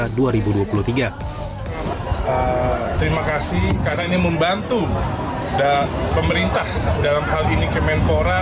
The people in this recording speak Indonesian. terima kasih karena ini membantu pemerintah dalam hal ini kemenpora